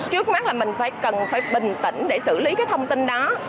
trước mắt là mình phải cần phải bình tĩnh để xử lý cái thông tin đó